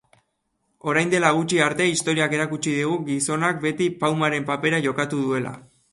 Orain dela gutxi arte historiak erakutsi digu gizonak beti paumaren papera jokatu duela.